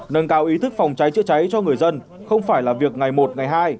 nâng cao ý thức phòng cháy chữa cháy cho người dân không phải là việc ngày một ngày hai